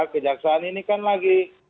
kejaksaan ini kan lagi